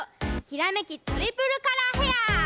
ひらめきトリプルカラーヘア！